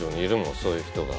そういう人が。